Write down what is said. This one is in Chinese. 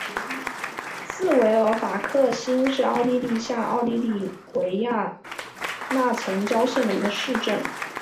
茨韦尔法克兴是奥地利下奥地利州维也纳城郊县的一个市镇。